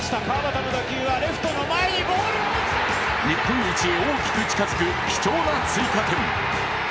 日本一に大きく近づく貴重な追加点。